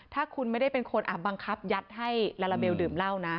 ถ้าคุณไม่ได้เป็นคนบังคับยัดให้ลาลาเบลดื่มเหล้านะ